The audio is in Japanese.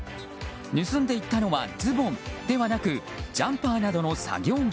盗んでいったのはズボンではなくジャンパーなどの作業着？